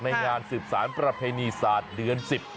งานสืบสารประเพณีศาสตร์เดือน๑๐